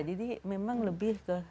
jadi memang lebih ke